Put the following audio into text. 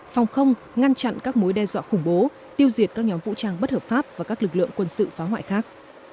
phòng không ngăn chặn các mối đe dọa khủng bố tiêu diệt các nhóm vũ trang bất hợp pháp và các lực lượng quân sự phá hoại khác